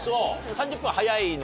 ３０分は早いの？